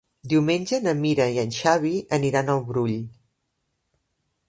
Diumenge na Mira i en Xavi aniran al Brull.